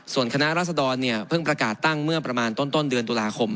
ส่วนคณะรัศดรเนี่ยเพิ่งประกาศตั้งเมื่อประมาณต้นเดือนตุลาคม